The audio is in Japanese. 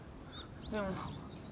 でも。